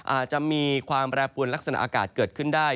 อาจจะมีความแปรปวนลักษณะอากาศเกิดขึ้นได้